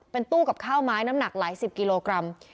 เป็นตู้กับข้าวไม้น้ำหนักหลายสิบกิโลกรัม